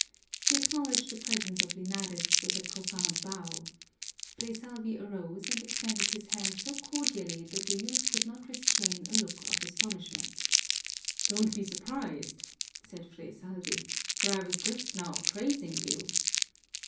He acknowledged the presence of Linares with a profound bow. Fray Salvi arose and extended his hand so cordially that the youth could not restrain a look of astonishment. "Don't be surprised," said Fray Salvi, "for I was just now praising you."